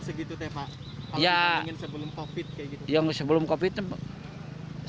segitu tepat ya yang sebelum kopi tempat